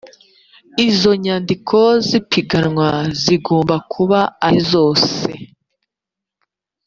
izo nyandiko z’ipiganwa zigomba kuba ari zose